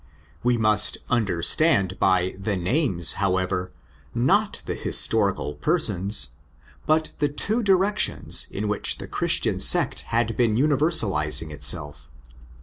We must understand by the names, however, not the historical persons, but the two directions in which the Christian sect had been universalising itself.